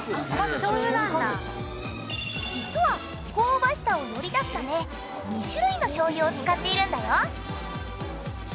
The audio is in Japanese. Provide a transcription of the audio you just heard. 実は香ばしさをより出すため２種類の醤油を使っているんだよ。